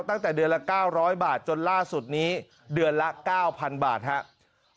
ตั้งแต่เดือนละ๙๐๐บาทจนล่าสุดนี้เดือนละ๙๐๐บาทครับ